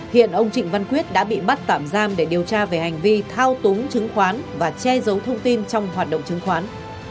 hiện ông trịnh văn quyết đã bị bắt tạm giam để điều tra về hành vi thao túng chứng khoán và che giấu thông tin trong hoạt động chứng khoán